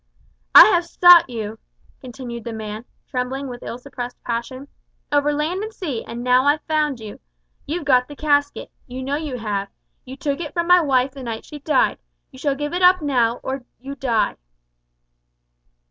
"I have sought you," continued the man, trembling with ill suppressed passion, "over land and sea, and now I've found you. You've got the casket you know you have; you took it from my wife the night she died; you shall give it up now, or you die!"